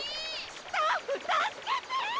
スタッフたすけて！